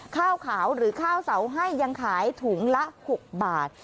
ข้าวขาวหรือข้าวเสาให้ยังขายถุงละ๖บาท